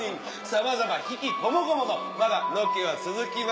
さまざま悲喜こもごものまだロケは続きます。